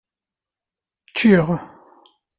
Cciɣ.